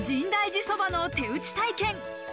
深大寺そばの手打ち体験。